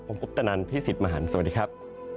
ผมกุ๊บตะนันพี่สิทธิ์มหารสวัสดีครับ